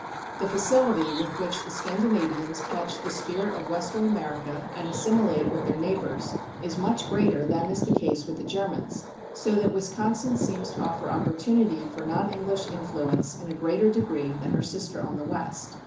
The facility with which the Scandinavians catch the spirit of Western America and assimilate with their neighbors is much greater than is the case with the Germans, so that Wisconsin seems to offer opportunity for non English influence in a greater degree than her sister on the west.